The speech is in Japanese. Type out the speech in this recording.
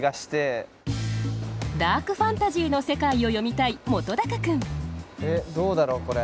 ダークファンタジーの世界を詠みたい本君えっどうだろうこれ。